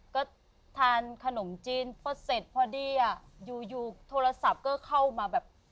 ก็ทานขนมจีนพอเสร็จพอดีอ่ะอยู่อยู่โทรศัพท์ก็เข้ามาแบบ